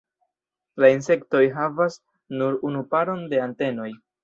La Insektoj havas nur unu paron da antenoj.